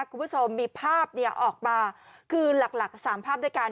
คุณผู้ชมมีภาพออกมาคือหลัก๓ภาพด้วยกัน